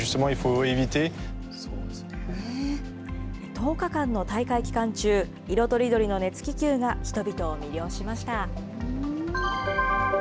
１０日間の大会期間中、色とりどりの熱気球が人々を魅了しました。